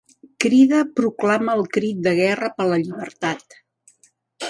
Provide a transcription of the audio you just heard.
Crida, proclama el crit de guerra per la llibertat!